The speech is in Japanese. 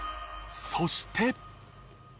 そして。